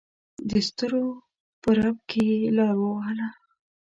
دسترو په رپ کې یې لار ووهله.